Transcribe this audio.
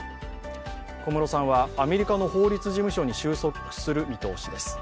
小室さんはアメリカの法律事務所に就職する見通しです。